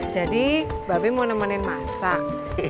jadi be mau nemenin masak